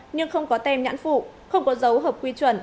nhưng không có tem nhãn phụ không có dấu hợp quy chuẩn